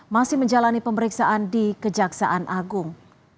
masih menjalani pemeriksaan di kejaksaan agung